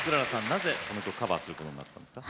なぜこの曲カバーすることになったんですか？